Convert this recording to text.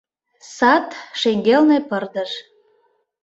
Сад, шеҥгелне пырдыж.